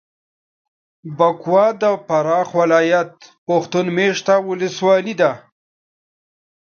بکوا د فراه ولایت پښتون مېشته ولسوالي ده.